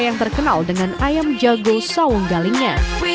yang terkenal dengan ayam jago saung galingnya